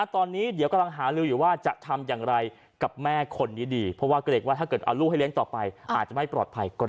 ตอนนี้เดี๋ยวกำลังหาลืออยู่ว่าจะทำอย่างไรกับแม่คนนี้ดีเพราะว่าเกรงว่าถ้าเกิดเอาลูกให้เลี้ยงต่อไปอาจจะไม่ปลอดภัยก่อน